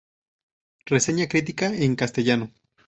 Reseña Crítica En castellano.